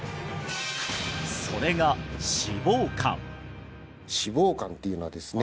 それが脂肪肝っていうのはですね